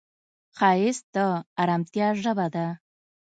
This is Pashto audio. ښایست د ارامتیا ژبه ده